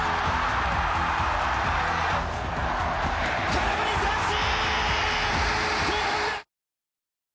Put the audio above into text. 空振り三振！